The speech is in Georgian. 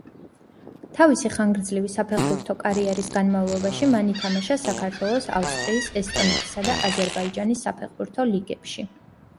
თავისი ხანგრძლივი საფეხბურთო კარიერის განმავლობაში მან ითამაშა საქართველოს, ავსტრიის, ესტონეთისა და აზერბაიჯანის საფეხბურთო ლიგებში.